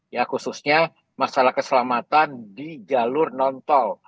ya khususnya masalah keselamatan di jalur non tol